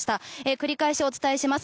繰り返しお伝えします。